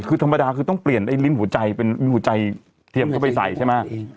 คือธรรมดาคือต้องเปลี่ยนไอ้ลิ้นหัวใจเป็นหัวใจเทียมเข้าไปใส่ใช่ไหม